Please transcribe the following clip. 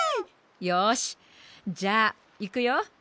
よしじゃあいくよ。